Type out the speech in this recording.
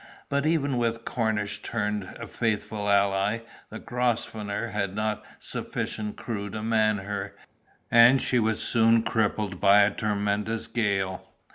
But even with Cornish turned a faithful ally, the Grosvenor had not sufficient crew to man her, and she was soon crippled by a tremendous gale.